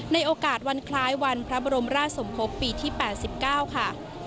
ในโอกาสวันคล้ายวันพระบรมราชสมภพปีที่๘๙ค่ะ